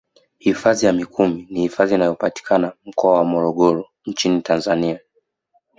Hifadhi ya mikumi ni hifadhi inayopatikana katika mkoa wa morogoro nchini Tanzania